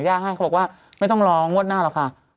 ยากให้เขาบอกว่าไม่ต้องรอมวดหน้าแหละค่ะ